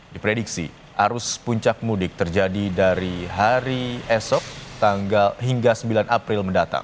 diprediksi arus puncak mudik terjadi dari hari esok tanggal hingga sembilan april mendatang